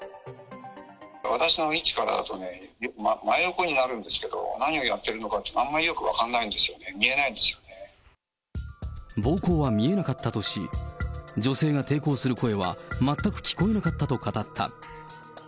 私の位置からだとね、真横になるんですけど、何をやってるのかってあんまりよく分からないんですよね、暴行は見えなかったとし、女性が抵抗する声は全く聞こえなかったと語った。